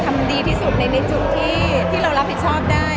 ทำดีที่สุดในจุดที่เรารับผิดชอบได้